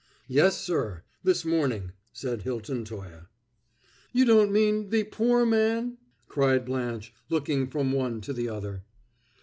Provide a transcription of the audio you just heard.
"Yes, sir! This morning," said Hilton Toye. "You don't mean the poor man?" cried Blanche, looking from one to the other.